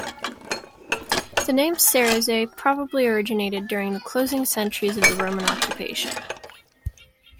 The name "Cerizay" probably originated during the closing centuries of the Roman occupation.